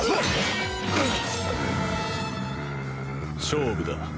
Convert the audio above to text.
勝負だ。